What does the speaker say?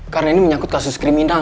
karena ini menyangkut kasus kriminal